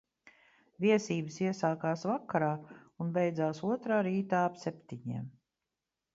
Viesības iesākās vakarā un beidzās otrā rītā ap septiņiem.